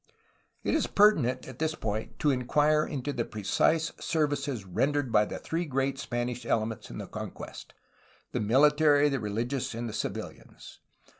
It is pertinent at this point to enquire into the precise services rendered by the three great Spanish elements in the conquest: the military, the rehgious, and the civiUans.